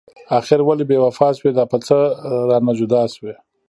اخر ولې بې وفا شوي؟ دا په څه رانه جدا شوي؟